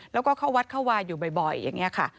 แล้วก็เข้าวัดเข้าวาอยู่บ่อยอย่างนี้ค่ะ